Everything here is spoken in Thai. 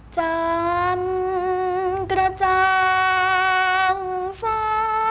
จันกระจ่างฟ้า